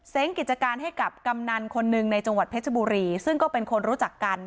กิจการให้กับกำนันคนหนึ่งในจังหวัดเพชรบุรีซึ่งก็เป็นคนรู้จักกัน